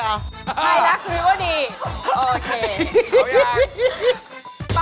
ใครรักสุรีโว้ดีโอเค